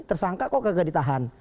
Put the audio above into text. tersangka kok tidak ditahan